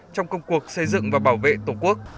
trong công cuộc xây dựng và bảo vệ tổ quốc